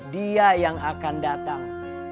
dia yang akan datang